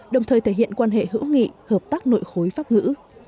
đồng thời thể hiện quan hệ hữu nghị hợp tác nội khối pháp ngữ